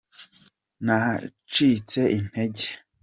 nacitse intege.